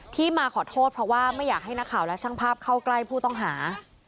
ที่มาขอโทษเพราะว่าไม่อยากให้นักข่าวและช่างภาพเข้าใกล้ผู้ต้องหา